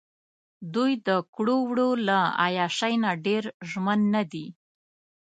دوۍ دکړو وړو له عیاشۍ نه ډېر ژمن نه دي.